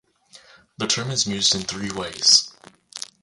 The term is used in three ways.